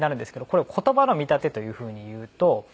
これを言葉の見立てというふうに言うと。